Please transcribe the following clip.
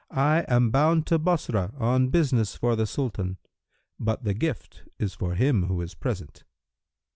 I am bound to Bassorah, on business for the Sultan; but the gift is for him who is present.'